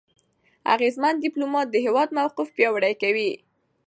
اغېزمن ډيپلوماټ د هېواد موقف پیاوړی کوي.